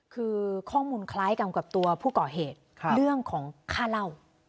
คือข้อมูลคล้ายกันกับตัวผู้ก่อเหตุเรื่องของค่าเหล้า